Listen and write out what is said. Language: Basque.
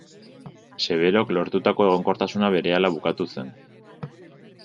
Severok lortutako egonkortasuna berehala bukatu zen.